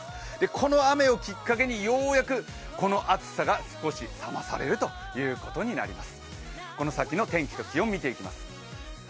この雨をきっかけにようやくこの暑さが少し冷まされるということになります。